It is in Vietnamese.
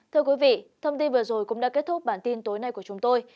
thưa quý vị thông tin vừa rồi cũng đã kết thúc bản tin tối nay của chúng tôi